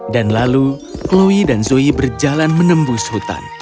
dan lalu chloe dan zoe berjalan menembus hutan